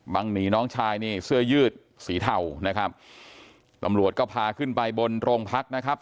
หนีน้องชายนี่เสื้อยืดสีเทานะครับตำรวจก็พาขึ้นไปบนโรงพักนะครับ